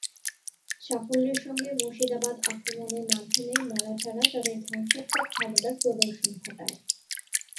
সাফল্যের সঙ্গে মুর্শিদাবাদ আক্রমণের মাধ্যমে মারাঠারা তাদের ধ্বংসাত্মক ক্ষমতার প্রদর্শন ঘটায়।